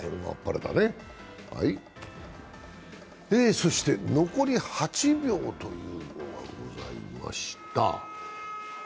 そして残り８秒ということがございました。